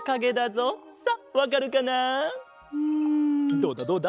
どうだどうだ？